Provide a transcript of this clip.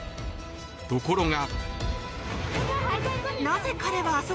ところが。